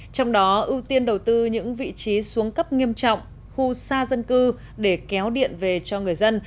trong đó ưu tiên đầu tư những vị trí xuống cấp nghiêm trọng khu xa dân cư để kéo điện về cho người dân